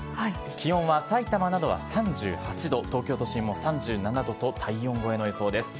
気温はさいたまなどは３８度、東京都心も３７度と、体温超えの予想です。